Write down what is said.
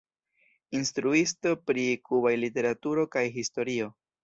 Instruisto pri kubaj literaturo kaj historio.